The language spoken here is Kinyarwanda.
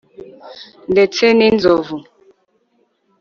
ndetse n'inzovu